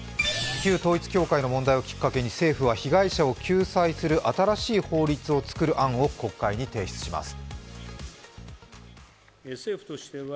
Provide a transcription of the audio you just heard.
旧統一教会の問題をきっかけに政府は被害者を救済する新しい法律を作る案を国会に提出します。